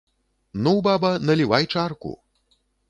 Ну, баба, налівай чарку.